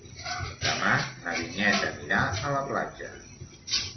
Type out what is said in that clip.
Demà na Vinyet anirà a la platja.